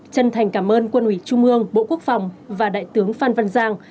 chân thành cảm ơn quân ủy trung ương bộ quốc phòng và đại tướng phan văn giang